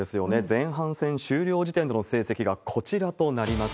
前半戦終了時点での成績がこちらとなります。